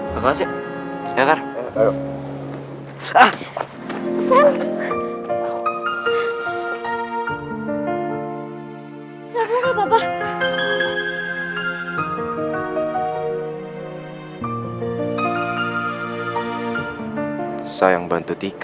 gak kelas ya